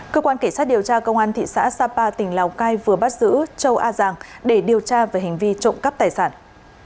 cơ quan kể sát điều tra công an thị xã sapa tỉnh lào cai vừa bắt giữ châu a giang để điều tra về hành vi tàng trữ